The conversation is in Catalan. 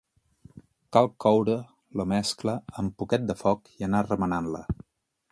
Cal coure la mescla amb poquet de foc i anar remenant-la.